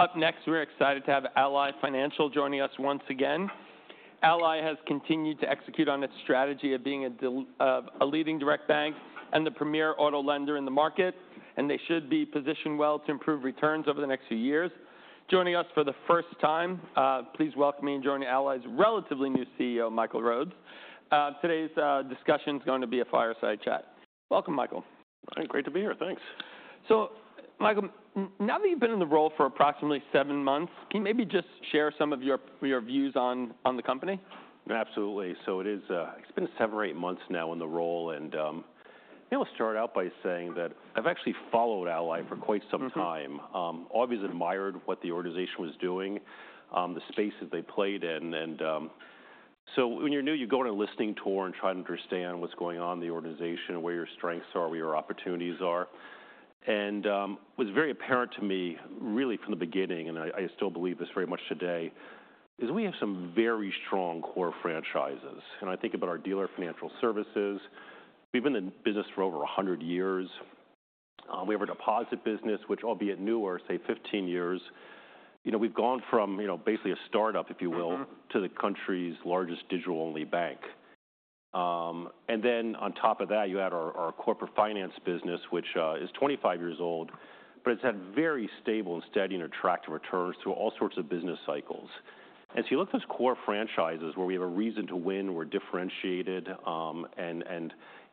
Up next, we're excited to have Ally Financial joining us once again. Ally has continued to execute on its strategy of being a leading direct bank and the premier auto lender in the market, and they should be positioned well to improve returns over the next few years. Joining us for the first time, please welcome me and join Ally's relatively new CEO, Michael Rhodes. Today's discussion is going to be a fireside chat. Welcome, Michael. All right. Great to be here. Thanks. So, Michael, now that you've been in the role for approximately seven months, can you maybe just share some of your views on the company? Absolutely. So it's been seven or eight months now in the role, and maybe I'll start out by saying that I've actually followed Ally for quite some time. I've always admired what the organization was doing, the spaces they played in. And so when you're new, you go on a listening tour and try to understand what's going on in the organization, where your strengths are, where your opportunities are. And what's very apparent to me, really from the beginning, and I still believe this very much today, is we have some very strong core franchises. And I think about our dealer financial services. We've been in business for over 100 years. We have our deposit business, which, albeit newer, say 15 years. We've gone from basically a startup, if you will, to the country's largest digital-only bank. And then on top of that, you add our corporate finance business, which is 25 years old, but it's had very stable and steady and attractive returns through all sorts of business cycles. And so you look at those core franchises where we have a reason to win, we're differentiated, and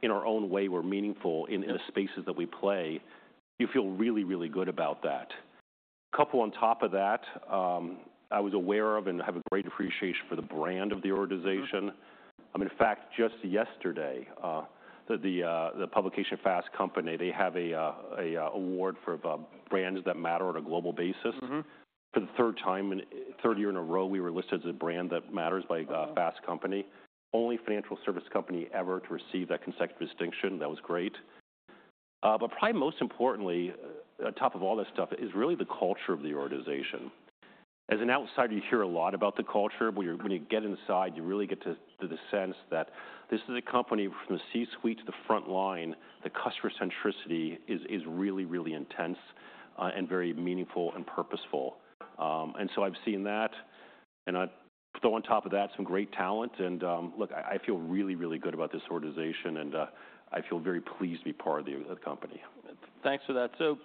in our own way, we're meaningful in the spaces that we play. You feel really, really good about that. A couple on top of that, I was aware of and have a great appreciation for the brand of the organization. In fact, just yesterday, the publication Fast Company, they have an award for brands that matter on a global basis. For the third time in a third year in a row, we were listed as a brand that matters by Fast Company, only financial service company ever to receive that consecutive distinction. That was great. But probably most importantly, on top of all this stuff, is really the culture of the organization. As an outsider, you hear a lot about the culture. When you get inside, you really get the sense that this is a company from the C-suite to the front line. The customer centricity is really, really intense and very meaningful and purposeful. And so I've seen that. And on top of that, some great talent. And look, I feel really, really good about this organization, and I feel very pleased to be part of the company. Thanks for that. So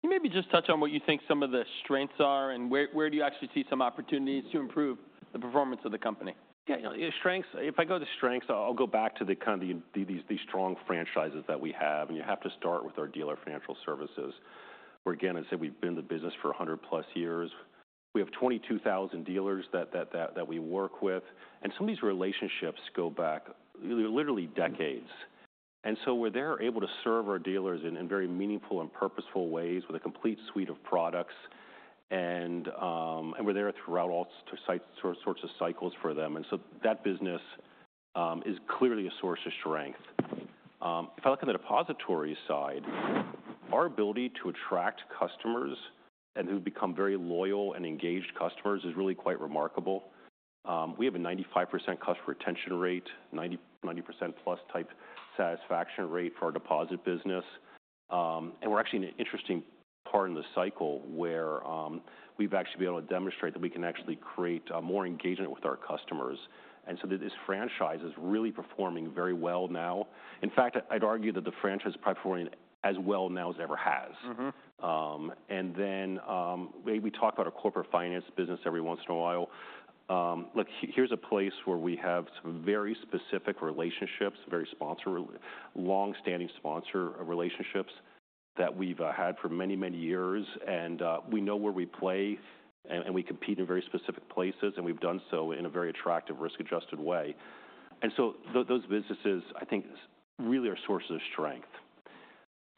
can you maybe just touch on what you think some of the strengths are and where do you actually see some opportunities to improve the performance of the company? Yeah. Strengths. If I go to strengths, I'll go back to kind of these strong franchises that we have, and you have to start with our dealer financial services, where, again, as I said, we've been in the business for 100-plus years. We have 22,000 dealers that we work with, and some of these relationships go back literally decades, and so we're there able to serve our dealers in very meaningful and purposeful ways with a complete suite of products, and we're there throughout all sorts of cycles for them, and so that business is clearly a source of strength. If I look at the depository side, our ability to attract customers and who become very loyal and engaged customers is really quite remarkable. We have a 95% customer retention rate, 90%-plus type satisfaction rate for our deposit business. And we're actually in an interesting part in the cycle where we've actually been able to demonstrate that we can actually create more engagement with our customers. And so this franchise is really performing very well now. In fact, I'd argue that the franchise is probably performing as well now as it ever has. And then maybe we talk about our corporate finance business every once in a while. Look, here's a place where we have some very specific relationships, very long-standing sponsor relationships that we've had for many, many years. And we know where we play, and we compete in very specific places, and we've done so in a very attractive, risk-adjusted way. And so those businesses, I think, really are sources of strength.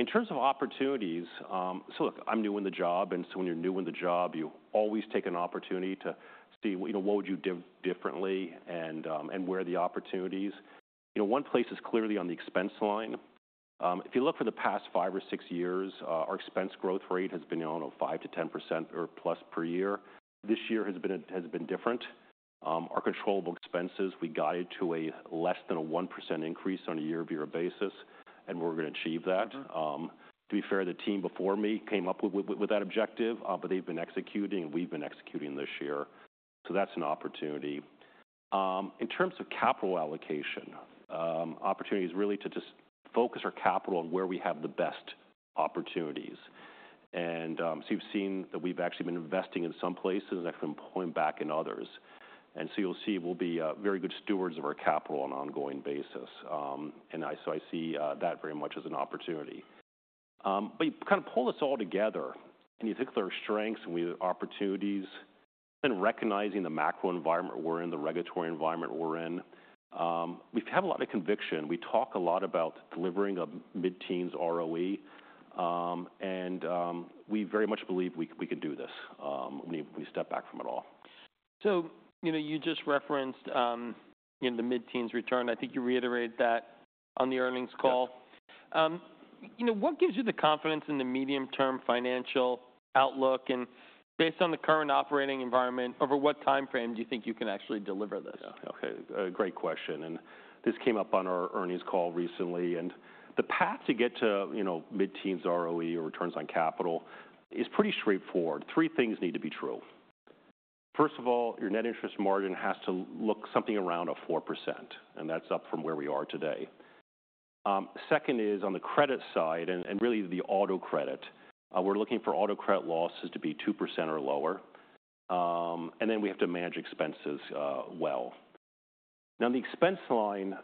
In terms of opportunities, so look, I'm new in the job. And so when you're new in the job, you always take an opportunity to see what would you do differently and where are the opportunities. One place is clearly on the expense line. If you look for the past five or six years, our expense growth rate has been around 5%-10% or plus per year. This year has been different. Our controllable expenses, we got it to less than a 1% increase on a year-over-year basis, and we're going to achieve that. To be fair, the team before me came up with that objective, but they've been executing, and we've been executing this year. So that's an opportunity. In terms of capital allocation, opportunities really to just focus our capital on where we have the best opportunities. And so you've seen that we've actually been investing in some places and actually pulling back in others. And so you'll see we'll be very good stewards of our capital on an ongoing basis. And so I see that very much as an opportunity. But you kind of pull this all together, and you look at our strengths and we have opportunities, then recognizing the macro environment we're in, the regulatory environment we're in, we have a lot of conviction. We talk a lot about delivering a mid-teens ROE, and we very much believe we can do this when we step back from it all. So you just referenced the mid-teens return. I think you reiterated that on the earnings call. What gives you the confidence in the medium-term financial outlook? And based on the current operating environment, over what time frame do you think you can actually deliver this? Yeah. Okay. Great question, and this came up on our earnings call recently, and the path to get to mid-teens ROE or returns on capital is pretty straightforward. Three things need to be true. First of all, your net interest margin has to look something around 4%, and that's up from where we are today. Second is on the credit side, and really the auto credit. We're looking for auto credit losses to be 2% or lower, and then we have to manage expenses well. Now, on the expense line,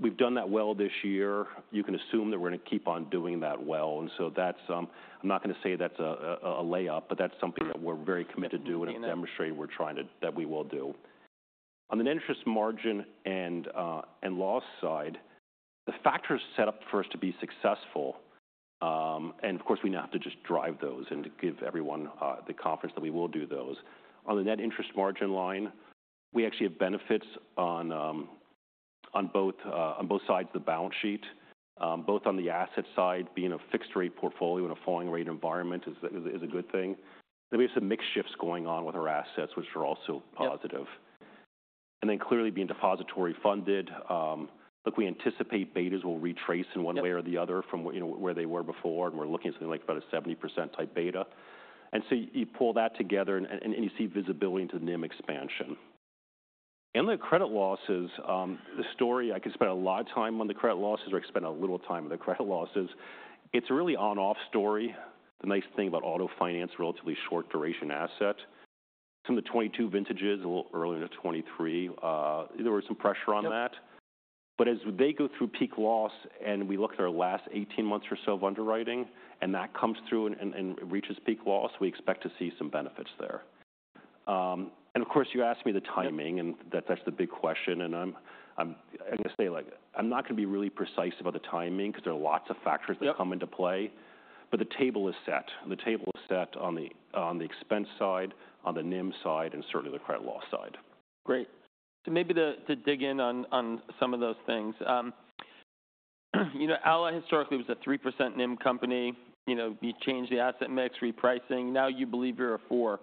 we've done that well this year. You can assume that we're going to keep on doing that well, and so I'm not going to say that's a layup, but that's something that we're very committed to doing and demonstrating that we will do. On the interest margin and loss side, the factors set up for us to be successful, and of course, we now have to just drive those and give everyone the confidence that we will do those. On the net interest margin line, we actually have benefits on both sides of the balance sheet, both on the asset side, being a fixed-rate portfolio in a falling-rate environment is a good thing, and we have some mix shifts going on with our assets, which are also positive, and then clearly being depository funded, look, we anticipate betas will retrace in one way or the other from where they were before, and we're looking at something like about a 70%-type beta, and so you pull that together, and you see visibility into the NIM expansion. And the credit losses, the story, I could spend a lot of time on the credit losses or I could spend a little time on the credit losses. It's a really run-off story. The nice thing about auto finance is a relatively short-duration asset. Some of the 2022 vintages, a little earlier in 2023, there was some pressure on that. But as they go through peak loss and we look at our last 18 months or so of underwriting, and that comes through and reaches peak loss, we expect to see some benefits there. And of course, you asked me the timing, and that's the big question. And I'm going to say, I'm not going to be really precise about the timing because there are lots of factors that come into play. But the table is set. The table is set on the expense side, on the NIM side, and certainly the credit loss side. Great, so maybe to dig in on some of those things, Ally historically was a 3% NIM company. You changed the asset mix, repricing. Now you believe you're a 4%,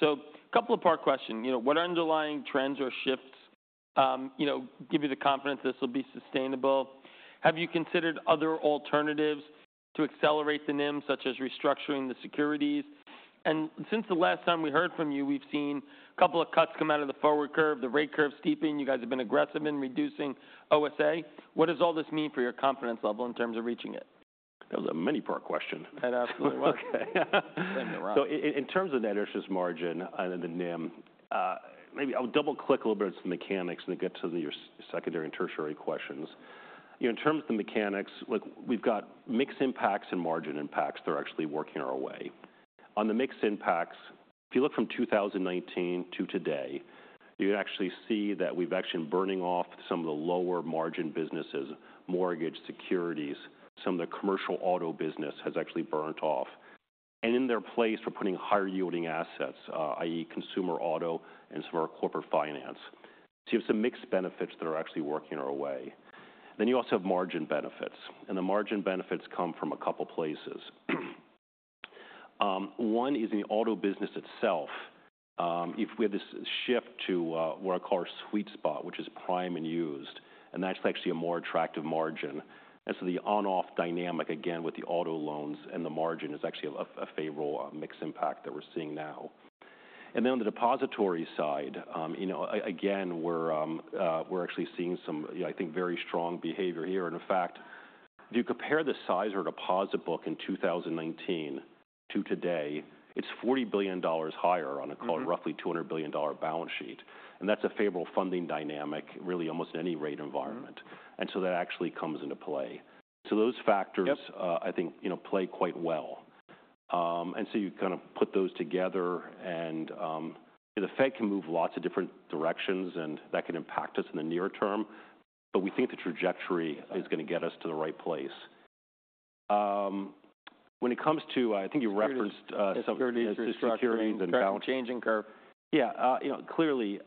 so a couple of part questions. What are underlying trends or shifts, give you the confidence this will be sustainable? Have you considered other alternatives to accelerate the NIM, such as restructuring the securities, and since the last time we heard from you, we've seen a couple of cuts come out of the forward curve, the rate curve steepening? You guys have been aggressive in reducing OSA. What does all this mean for your confidence level in terms of reaching it? That was a many-part question. That absolutely was. So in terms of net interest margin and the NIM, maybe I'll double-click a little bit on some mechanics and then get to your secondary and tertiary questions. In terms of the mechanics, look, we've got mix impacts and margin impacts that are actually working our way. On the mix impacts, if you look from 2019 to today, you can actually see that we've actually been burning off some of the lower margin businesses, mortgage, securities, some of the commercial auto business has actually burnt off. And in their place, we're putting higher-yielding assets, i.e., consumer auto and some of our corporate finance. So you have some mix benefits that are actually working our way. Then you also have margin benefits. And the margin benefits come from a couple of places. One is in the auto business itself. If we have this shift to what I call our sweet spot, which is prime and used, and that's actually a more attractive margin, and so the on-off dynamic, again, with the auto loans and the margin is actually a favorable mix impact that we're seeing now, and then on the depository side, again, we're actually seeing some, I think, very strong behavior here, and in fact, if you compare the size of our deposit book in 2019 to today, it's $40 billion higher on a roughly $200 billion balance sheet, and that's a favorable funding dynamic really almost in any rate environment, and so that actually comes into play, so those factors, I think, play quite well, and so you kind of put those together, and the Fed can move lots of different directions, and that can impact us in the near term. But we think the trajectory is going to get us to the right place. When it comes to, I think you referenced some of the securities and. Changing curve. Yeah. Clearly,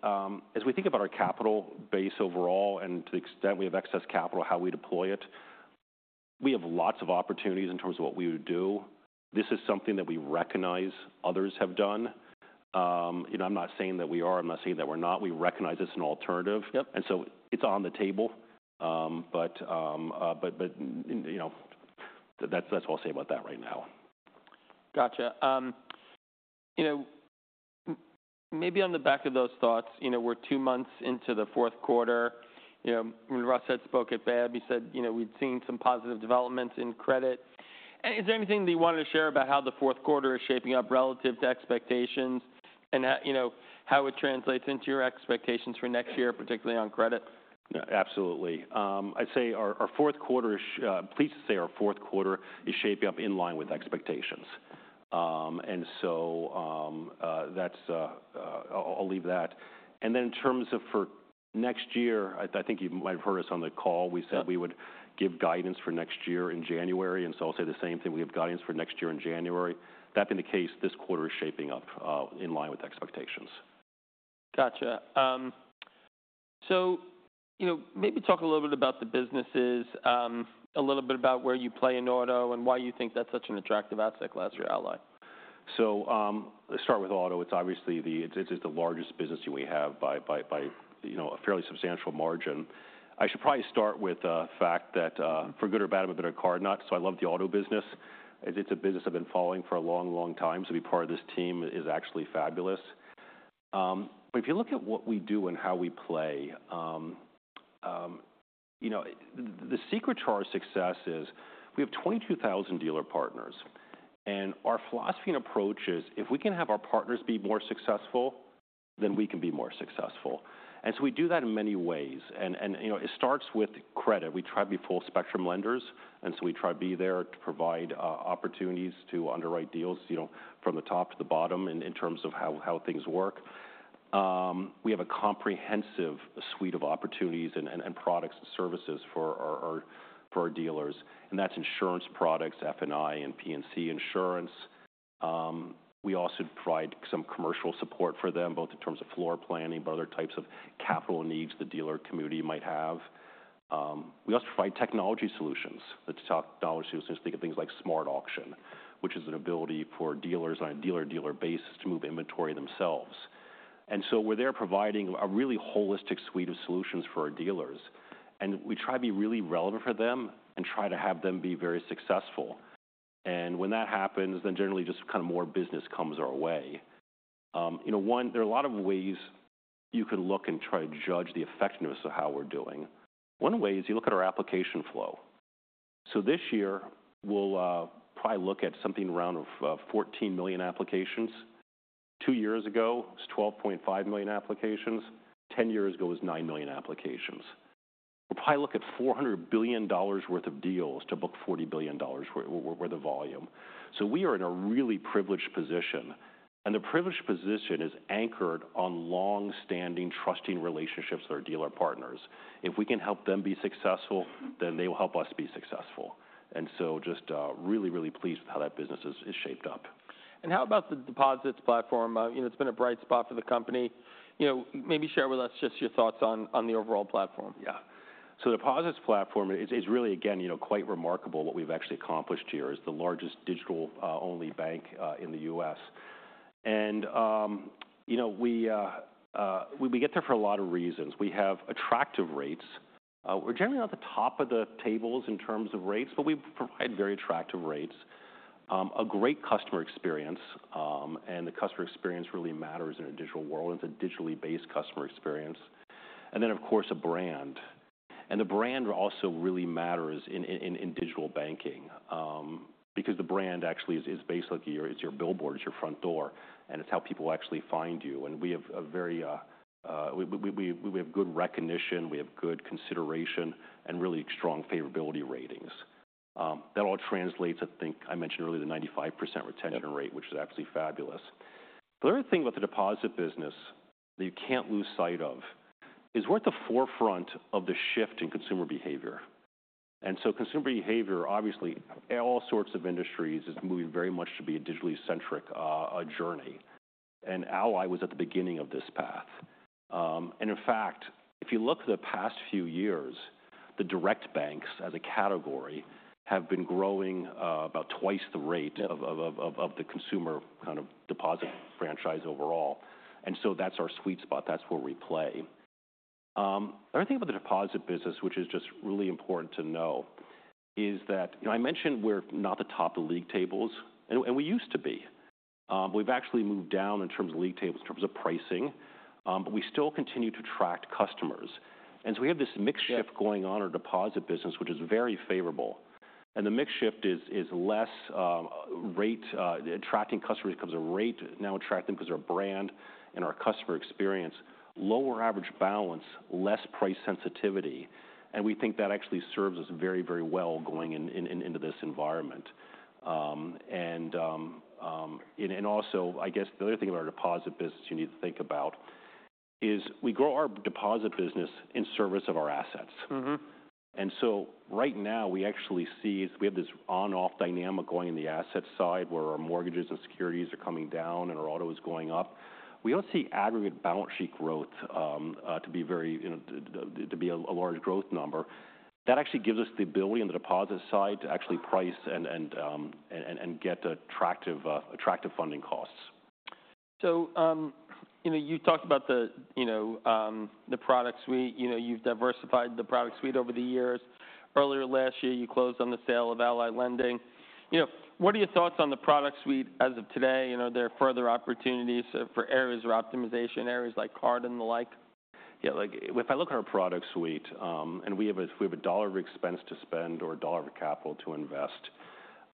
as we think about our capital base overall and to the extent we have excess capital, how we deploy it, we have lots of opportunities in terms of what we would do. This is something that we recognize others have done. I'm not saying that we are. I'm not saying that we're not. We recognize it's an alternative. And so it's on the table. But that's all I'll say about that right now. Gotcha. Maybe on the back of those thoughts, we're two months into the fourth quarter. When Russ spoke at BAAB, he said we'd seen some positive developments in credit. Is there anything that you wanted to share about how the fourth quarter is shaping up relative to expectations and how it translates into your expectations for next year, particularly on credit? Absolutely. I'd say I'm pleased to say our fourth quarter is shaping up in line with expectations. And so I'll leave that. And then in terms of for next year, I think you might have heard us on the call. We said we would give guidance for next year in January. And so I'll say the same thing. We have guidance for next year in January. That being the case, this quarter is shaping up in line with expectations. Gotcha. So maybe talk a little bit about the businesses, a little bit about where you play in auto and why you think that's such an attractive asset class for Ally. So let's start with auto. It's obviously the largest business we have by a fairly substantial margin. I should probably start with the fact that for good or bad, I'm a bit of a car nut. So I love the auto business. It's a business I've been following for a long, long time. So to be part of this team is actually fabulous. But if you look at what we do and how we play, the secret to our success is we have 22,000 dealer partners. And our philosophy and approach is if we can have our partners be more successful, then we can be more successful. And so we do that in many ways. And it starts with credit. We try to be full-spectrum lenders. And so we try to be there to provide opportunities to underwrite deals from the top to the bottom in terms of how things work. We have a comprehensive suite of opportunities and products and services for our dealers. And that's insurance products, F&I, and P&C insurance. We also provide some commercial support for them, both in terms of floor planning, but other types of capital needs the dealer community might have. We also provide technology solutions. The technology solutions think of things like SmartAuction, which is an ability for dealers on a dealer-dealer basis to move inventory themselves. And so we're there providing a really holistic suite of solutions for our dealers. And we try to be really relevant for them and try to have them be very successful. And when that happens, then generally just kind of more business comes our way. One, there are a lot of ways you can look and try to judge the effectiveness of how we're doing. One way is you look at our application flow, so this year, we'll probably look at something around 14 million applications. Two years ago, it was 12.5 million applications. 10 years ago, it was nine million applications. We'll probably look at $400 billion worth of deals to book $40 billion worth of volume, so we are in a really privileged position, and the privileged position is anchored on long-standing trusting relationships with our dealer partners. If we can help them be successful, then they will help us be successful, and so just really, really pleased with how that business is shaped up. How about the deposits platform? It's been a bright spot for the company. Maybe share with us just your thoughts on the overall platform. Yeah. So the deposits platform is really, again, quite remarkable. What we've actually accomplished here is the largest digital-only bank in the U.S. And we get there for a lot of reasons. We have attractive rates. We're generally not at the top of the tables in terms of rates, but we provide very attractive rates. A great customer experience. And the customer experience really matters in a digital world. It's a digitally-based customer experience. And then, of course, a brand. And the brand also really matters in digital banking because the brand actually is basically your billboard, it's your front door, and it's how people actually find you. And we have a very good recognition. We have good consideration and really strong favorability ratings. That all translates, I think I mentioned earlier, the 95% retention rate, which is absolutely fabulous. The other thing about the deposit business that you can't lose sight of is we're at the forefront of the shift in consumer behavior, and so consumer behavior, obviously, all sorts of industries is moving very much to be a digitally-centric journey, and Ally was at the beginning of this path, and in fact, if you look at the past few years, the direct banks as a category have been growing about twice the rate of the consumer kind of deposit franchise overall, and so that's our sweet spot. That's where we play. The other thing about the deposit business, which is just really important to know, is that I mentioned we're not the top of the league tables, and we used to be. We've actually moved down in terms of league tables, in terms of pricing, but we still continue to attract customers. And so we have this mix shift going on in our deposit business, which is very favorable. And the mix shift is less rate attracting customers because of rate, now attracting them because of our brand and our customer experience, lower average balance, less price sensitivity. And we think that actually serves us very, very well going into this environment. And also, I guess the other thing about our deposit business you need to think about is we grow our deposit business in service of our assets. And so right now, we actually see we have this on-off dynamic going in the asset side where our mortgages and securities are coming down and our auto is going up. We don't see aggregate balance sheet growth to be a large growth number. That actually gives us the ability on the deposit side to actually price and get attractive funding costs. So you talked about the product suite. You've diversified the product suite over the years. Earlier last year, you closed on the sale of Ally Lending. What are your thoughts on the product suite as of today? Are there further opportunities for areas of optimization, areas like card and the like? Yeah. If I look at our product suite, and we have a dollar of expense to spend or a dollar of capital to invest,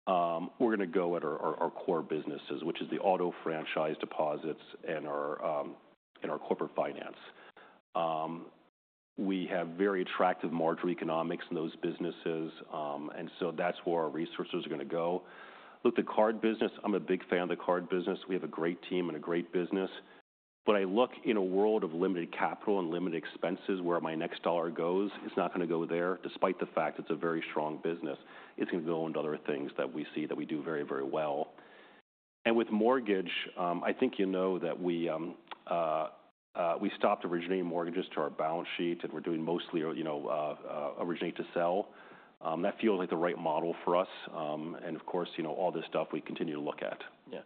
we're going to go at our core businesses, which is the auto franchise deposits and our corporate finance. We have very attractive margin economics in those businesses, and so that's where our resources are going to go. Look, the card business, I'm a big fan of the card business. We have a great team and a great business, but I look in a world of limited capital and limited expenses where my next dollar goes, it's not going to go there, despite the fact it's a very strong business. It's going to go into other things that we see that we do very, very well. And with mortgage, I think you know that we stopped originating mortgages to our balance sheet and we're doing mostly originating to sell. That feels like the right model for us. And of course, all this stuff we continue to look at. Yeah.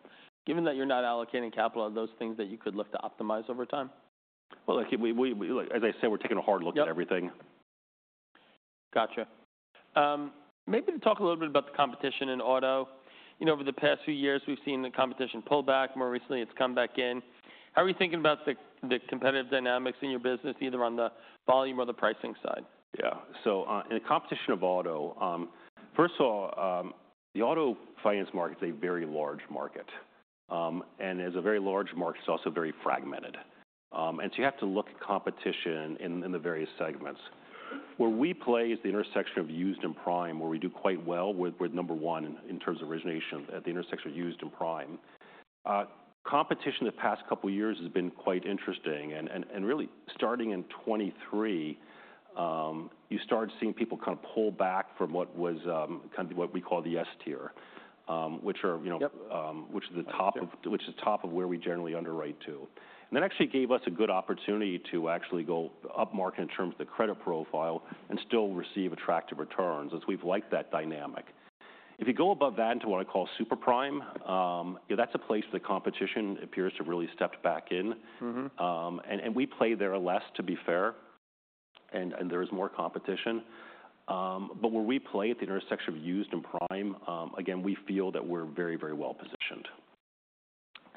Given that you're not allocating capital, are those things that you could look to optimize over time? As I said, we're taking a hard look at everything. Gotcha. Maybe to talk a little bit about the competition in auto. Over the past few years, we've seen the competition pull back. More recently, it's come back in. How are you thinking about the competitive dynamics in your business, either on the volume or the pricing side? Yeah. So in the competition of auto, first of all, the auto finance market is a very large market. And as a very large market, it's also very fragmented. And so you have to look at competition in the various segments. Where we play is the intersection of used and prime, where we do quite well. We're number one in terms of origination at the intersection of used and prime. Competition the past couple of years has been quite interesting. And really, starting in 2023, you started seeing people kind of pull back from what was kind of what we call the S Tier, which is the top of where we generally underwrite to. And that actually gave us a good opportunity to actually go up market in terms of the credit profile and still receive attractive returns as we've liked that dynamic. If you go above that into what I call Super Prime, that's a place where the competition appears to really step back in. And we play there less, to be fair. And there is more competition. But where we play at the intersection of used and prime, again, we feel that we're very, very well positioned.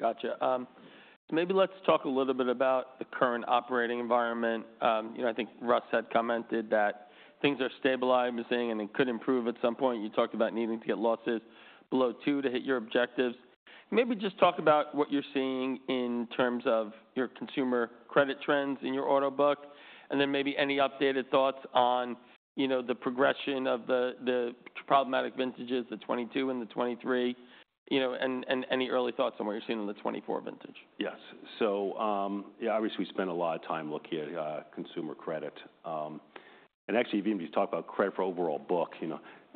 Gotcha. So maybe let's talk a little bit about the current operating environment. I think Russ had commented that things are stabilizing and then could improve at some point. You talked about needing to get losses below two to hit your objectives. Maybe just talk about what you're seeing in terms of your consumer credit trends in your auto book. And then maybe any updated thoughts on the progression of the problematic vintages, the 2022 and the 2023, and any early thoughts on what you're seeing in the 2024 vintage? Yes. So obviously, we spend a lot of time looking at consumer credit. And actually, even if you talk about credit for overall book,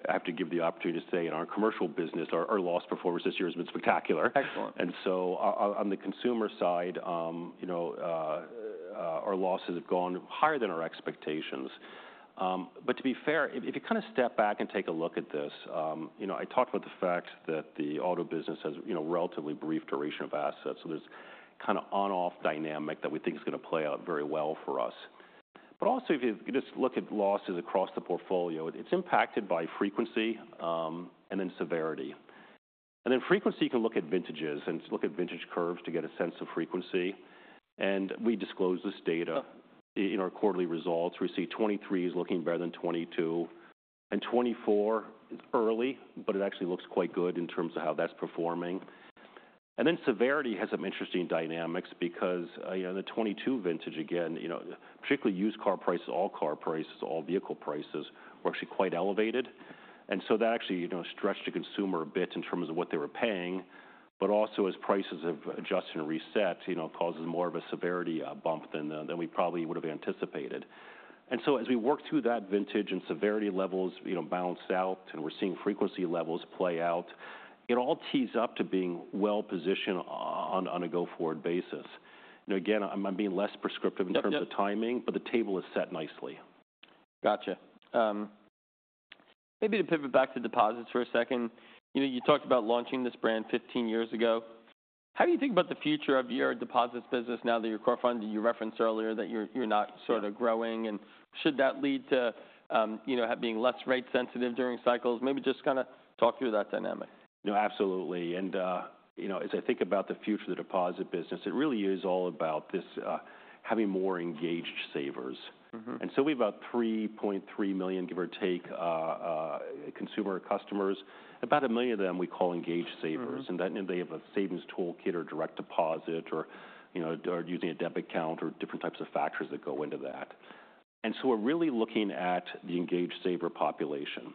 I have to give the opportunity to say in our commercial business, our loss performance this year has been spectacular. Excellent. On the consumer side, our losses have gone higher than our expectations. To be fair, if you kind of step back and take a look at this, I talked about the fact that the auto business has a relatively brief duration of assets. There's kind of on-off dynamic that we think is going to play out very well for us. Also, if you just look at losses across the portfolio, it's impacted by frequency and then severity. Then frequency, you can look at vintages and look at vintage curves to get a sense of frequency. We see 2023 is looking better than 2022. 2024 is early, but it actually looks quite good in terms of how that's performing. Severity has some interesting dynamics because the 2022 vintage, again, particularly used car prices, all car prices, all vehicle prices were actually quite elevated. So that actually stretched the consumer a bit in terms of what they were paying. Also, as prices have adjusted and reset, it causes more of a severity bump than we probably would have anticipated. So as we work through that vintage and severity levels balance out and we're seeing frequency levels play out, it all tees up to being well positioned on a go-forward basis. Again, I'm being less prescriptive in terms of timing, but the table is set nicely. Gotcha. Maybe to pivot back to deposits for a second, you talked about launching this brand 15 years ago. How do you think about the future of your deposits business now that your core fund that you referenced earlier that you're not sort of growing? And should that lead to being less rate sensitive during cycles? Maybe just kind of talk through that dynamic. Absolutely. And as I think about the future of the deposit business, it really is all about this having more engaged savers. And so we have about 3.3 million, give or take, consumer customers. About a million of them we call engaged savers. And that means they have a savings toolkit or direct deposit or using a debit account or different types of factors that go into that. And so we're really looking at the engaged saver population.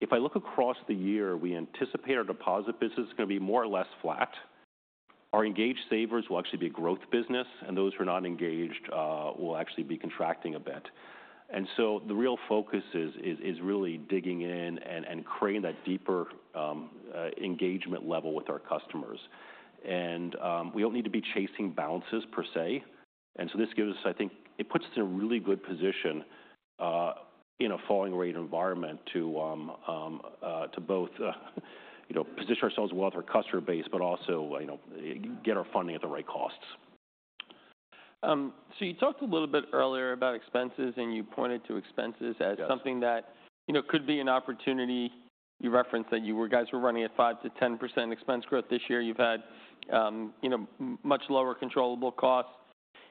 If I look across the year, we anticipate our deposit business is going to be more or less flat. Our engaged savers will actually be a growth business. And those who are not engaged will actually be contracting a bit. And so the real focus is really digging in and creating that deeper engagement level with our customers. And we don't need to be chasing balances per se. This gives us, I think, it puts us in a really good position in a falling rate environment to both position ourselves well with our customer base, but also get our funding at the right costs. So you talked a little bit earlier about expenses, and you pointed to expenses as something that could be an opportunity. You referenced that you guys were running at 5%-10% expense growth this year. You've had much lower controllable costs.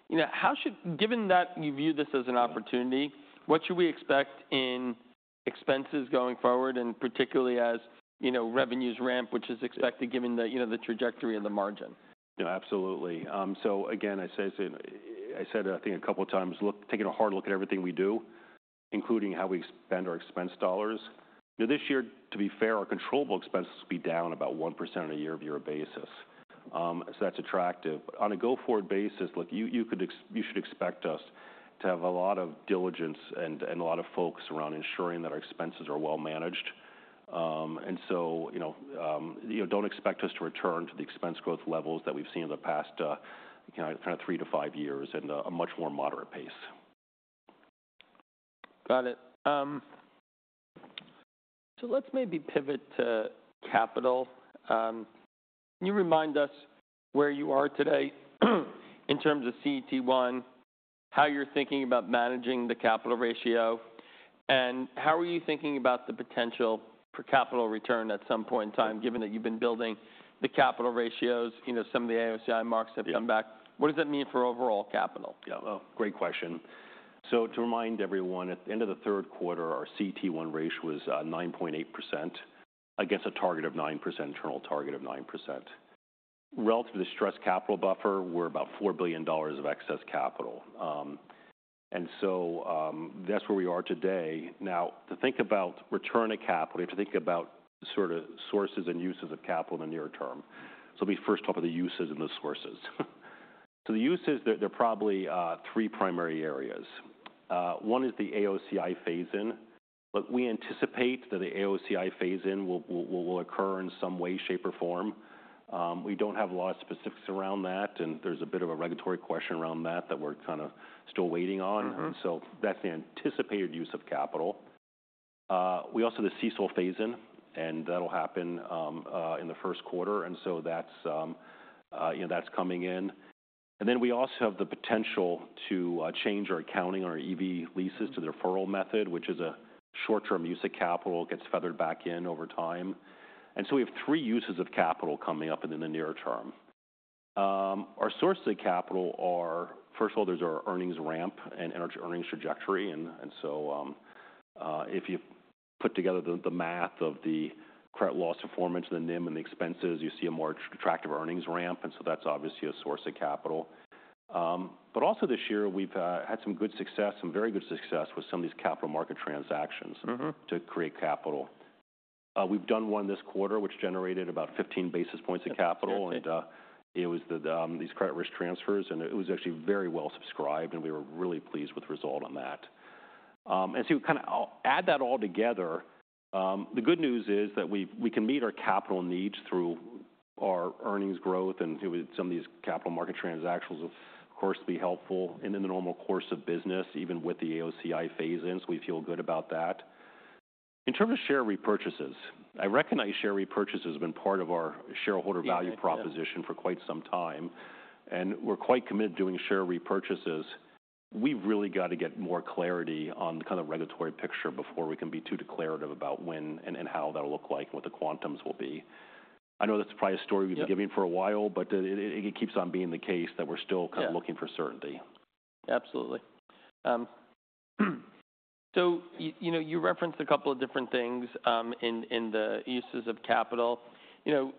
Given that you view this as an opportunity, what should we expect in expenses going forward, and particularly as revenues ramp, which is expected given the trajectory of the margin? Absolutely. So again, I said, I think a couple of times, taking a hard look at everything we do, including how we spend our expense dollars. This year, to be fair, our controllable expenses will be down about 1% on a year-over-year basis. So that's attractive. But on a go-forward basis, look, you should expect us to have a lot of diligence and a lot of focus around ensuring that our expenses are well managed. And so don't expect us to return to the expense growth levels that we've seen in the past kind of three to five years at a much more moderate pace. Got it, so let's maybe pivot to capital. Can you remind us where you are today in terms of CET1, how you're thinking about managing the capital ratio, and how are you thinking about the potential for capital return at some point in time, given that you've been building the capital ratios? Some of the AOCI marks have come back. What does that mean for overall capital? Yeah. Well, great question. So to remind everyone, at the end of the third quarter, our CET1 ratio was 9.8% against a target of 9%, internal target of 9%. Relative to the stress capital buffer, we're about $4 billion of excess capital. And so that's where we are today. Now, to think about return of capital, you have to think about sort of sources and uses of capital in the near term. So let me first talk about the uses and the sources. So the uses, there are probably three primary areas. One is the AOCI phase-in. Look, we anticipate that the AOCI phase-in will occur in some way, shape, or form. We don't have a lot of specifics around that. And there's a bit of a regulatory question around that that we're kind of still waiting on. And so that's the anticipated use of capital. We also have the CECL phase-in, and that'll happen in the first quarter. And so that's coming in. And then we also have the potential to change our accounting on our EV leases to the deferral method, which is a short-term use of capital, gets feathered back in over time. And so we have three uses of capital coming up in the near term. Our sources of capital are, first of all, there's our earnings ramp and our earnings trajectory. And so if you put together the math of the credit loss performance, the NIM, and the expenses, you see a more attractive earnings ramp. And so that's obviously a source of capital. But also this year, we've had some good success, some very good success with some of these capital market transactions to create capital. We've done one this quarter, which generated about 15 basis points of capital. It was these credit risk transfers. It was actually very well subscribed. We were really pleased with the result on that, so kind of add that all together, the good news is that we can meet our capital needs through our earnings growth, and some of these capital market transactions will, of course, be helpful. In the normal course of business, even with the AOCI phase-ins, we feel good about that. In terms of share repurchases, I recognize share repurchases have been part of our shareholder value proposition for quite some time. We're quite committed to doing share repurchases. We've really got to get more clarity on the kind of regulatory picture before we can be too declarative about when and how that'll look like and what the quantums will be. I know that's probably a story we've been giving for a while, but it keeps on being the case that we're still kind of looking for certainty. Absolutely. So you referenced a couple of different things in the uses of capital.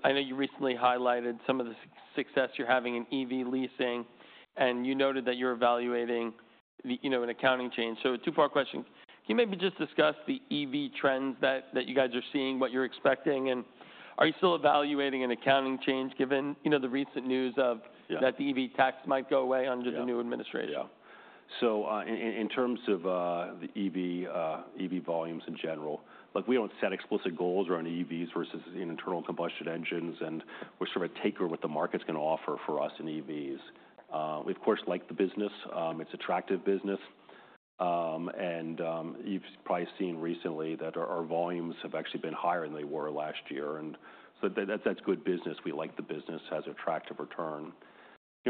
I know you recently highlighted some of the success you're having in EV leasing. And you noted that you're evaluating an accounting change. So two-part question. Can you maybe just discuss the EV trends that you guys are seeing, what you're expecting? And are you still evaluating an accounting change given the recent news that the EV tax might go away under the new administration? Yeah, so in terms of the EV volumes in general, look, we don't set explicit goals around EVs versus internal combustion engines, and we're sort of a taker of what the market's going to offer for us in EVs. We, of course, like the business. It's an attractive business, and you've probably seen recently that our volumes have actually been higher than they were last year, and so that's good business. We like the business. It has an attractive return.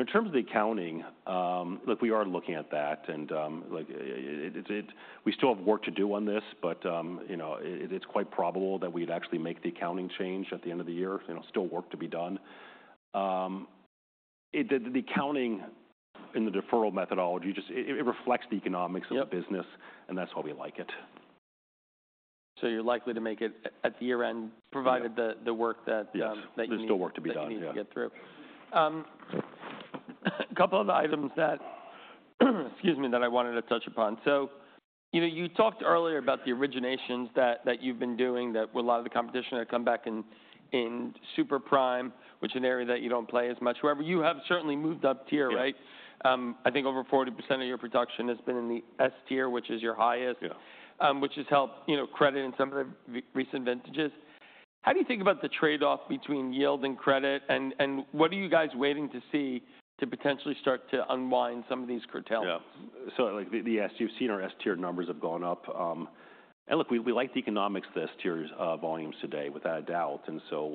In terms of the accounting, look, we are looking at that, and we still have work to do on this, but it's quite probable that we'd actually make the accounting change at the end of the year. Still work to be done. The accounting in the deferral methodology, it reflects the economics of the business, and that's why we like it. So you're likely to make it at the year-end, provided the work that you need to get through. Yes. There's still work to be done. A couple of items that, excuse me, that I wanted to touch upon. So you talked earlier about the originations that you've been doing, that a lot of the competition had come back in Super Prime, which is an area that you don't play as much. However, you have certainly moved up tier, right? I think over 40% of your production has been in the S Tier, which is your highest, which has helped credit in some of the recent vintages. How do you think about the trade-off between yield and credit? And what are you guys waiting to see to potentially start to unwind some of these curtails? Yeah. So the S Tier, you've seen our S Tier numbers have gone up. And look, we like the economics of the S Tier volumes today, without a doubt. And so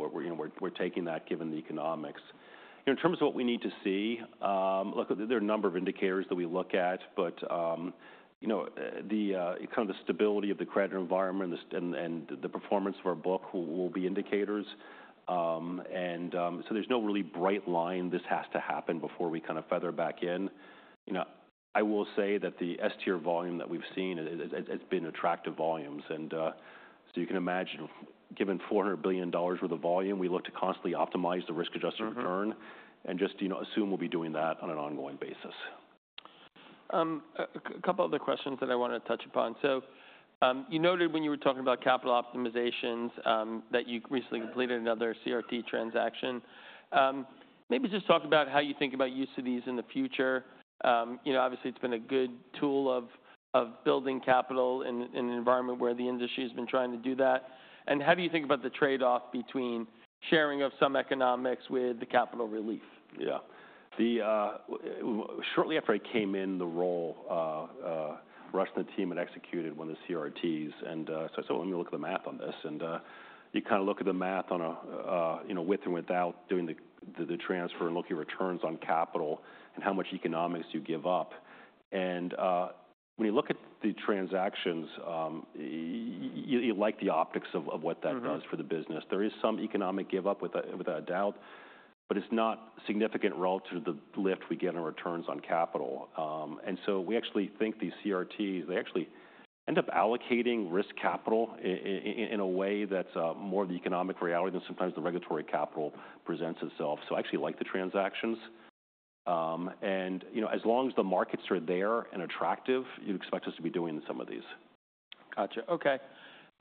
we're taking that given the economics. In terms of what we need to see, look, there are a number of indicators that we look at. But kind of the stability of the credit environment and the performance of our book will be indicators. And so there's no really bright line this has to happen before we kind of feather back in. I will say that the S Tier volume that we've seen has been attractive volumes. And so you can imagine, given $400 billion worth of volume, we look to constantly optimize the risk-adjusted return and just assume we'll be doing that on an ongoing basis. A couple of other questions that I want to touch upon. So you noted when you were talking about capital optimizations that you recently completed another CRT transaction. Maybe just talk about how you think about use of these in the future. Obviously, it's been a good tool of building capital in an environment where the industry has been trying to do that. And how do you think about the trade-off between sharing of some economics with the capital relief? Yeah. Shortly after I came in the role, Russ and the team had executed one of the CRTs. And so I said, well, let me look at the math on this. And you kind of look at the math on a with and without doing the transfer and look at returns on capital and how much economics you give up. And when you look at the transactions, you like the optics of what that does for the business. There is some economic give-up, without a doubt. But it's not significant relative to the lift we get on returns on capital. And so we actually think these CRTs, they actually end up allocating risk capital in a way that's more of the economic reality than sometimes the regulatory capital presents itself. So I actually like the transactions. As long as the markets are there and attractive, you'd expect us to be doing some of these. Gotcha. Okay.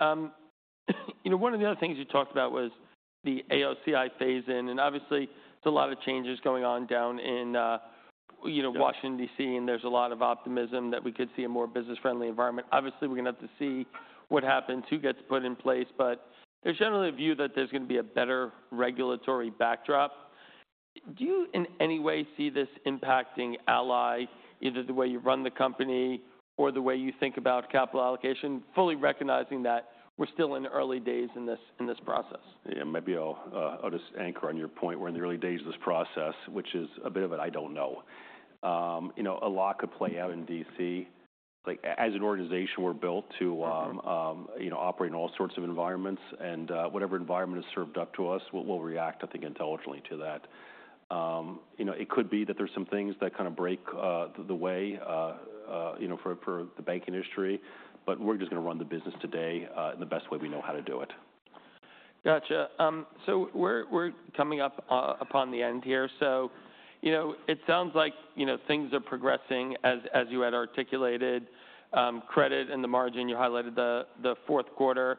One of the other things you talked about was the AOCI phase-in, and obviously, there's a lot of changes going on down in Washington, D.C., and there's a lot of optimism that we could see a more business-friendly environment. Obviously, we're going to have to see what happens, who gets put in place, but there's generally a view that there's going to be a better regulatory backdrop. Do you in any way see this impacting Ally, either the way you run the company or the way you think about capital allocation, fully recognizing that we're still in early days in this process? Yeah. Maybe I'll just anchor on your point. We're in the early days of this process, which is a bit of an I don't know. A lot could play out in D.C. As an organization, we're built to operate in all sorts of environments. And whatever environment is served up to us, we'll react, I think, intelligently to that. It could be that there's some things that kind of break the way for the bank industry. But we're just going to run the business today in the best way we know how to do it. Gotcha. So we're coming up upon the end here. So it sounds like things are progressing as you had articulated. Credit and the margin, you highlighted the fourth quarter,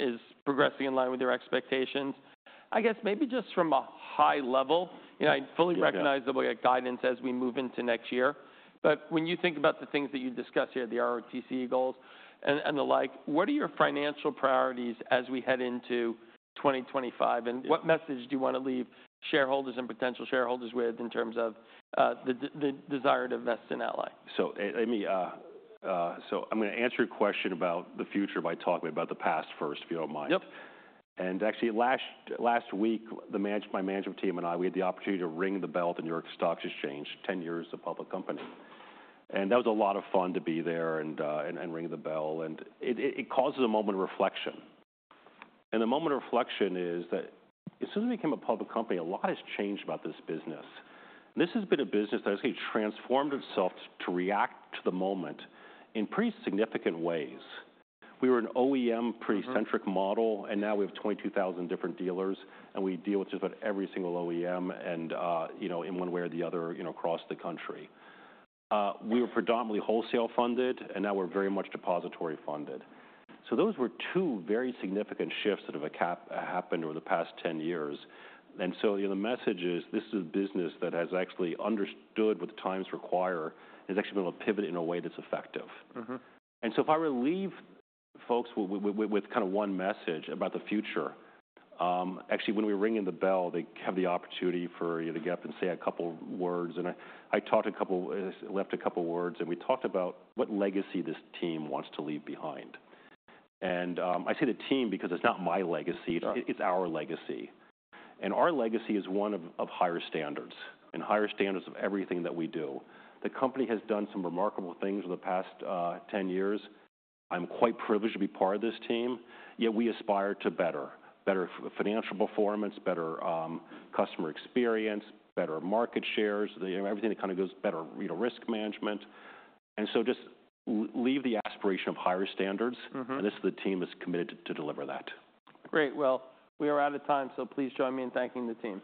is progressing in line with your expectations. I guess maybe just from a high level, I fully recognize that we'll get guidance as we move into next year. But when you think about the things that you discussed here, the ROTCE goals and the like, what are your financial priorities as we head into 2025? And what message do you want to leave shareholders and potential shareholders with in terms of the desire to invest in Ally? So I'm going to answer your question about the future by talking about the past first, if you don't mind. Yep. And actually, last week, my management team and I had the opportunity to ring the bell at the New York Stock Exchange, 10 years as a public company. And that was a lot of fun to be there and ring the bell. And it causes a moment of reflection. And the moment of reflection is that as soon as we became a public company, a lot has changed about this business. This has been a business that has transformed itself to react to the market in pretty significant ways. We were an OEM-centric model. And now we have 22,000 different dealers. And we deal with just about every single OEM in one way or the other across the country. We were predominantly wholesale funded. And now we're very much depository funded. So those were two very significant shifts that have happened over the past 10 years. And so the message is this is a business that has actually understood what the times require and has actually been able to pivot in a way that's effective. And so if I were to leave folks with kind of one message about the future, actually, when we ring the bell, they have the opportunity for you to get up and say a couple of words. And I talked a couple, left a couple of words. And we talked about what legacy this team wants to leave behind. And I say the team because it's not my legacy. It's our legacy. And our legacy is one of higher standards and higher standards of everything that we do. The company has done some remarkable things over the past 10 years. I'm quite privileged to be part of this team. Yet we aspire to better financial performance, better customer experience, better market shares, everything that kind of goes better, risk management. Just leave the aspiration of higher standards. This is the team that's committed to deliver that. Great. Well, we are out of time. So please join me in thanking the team.